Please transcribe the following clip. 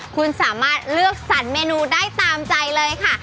คุณสามารถเลือกสรรเมนูได้ตามใจเลยค่ะ